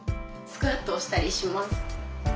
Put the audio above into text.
スクワットをしたりします。